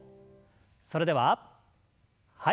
それでははい。